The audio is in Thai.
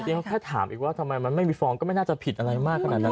เดี๋ยวแค่ถามอีกว่าทำไมมันไม่มีฟองก็ไม่น่าจะผิดอะไรมากขนาดนั้น